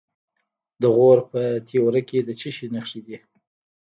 د غور په تیوره کې د څه شي نښې دي؟